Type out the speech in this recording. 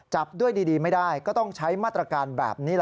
จับด้วยดีไม่ได้ก็ต้องใช้มาตรการแบบนี้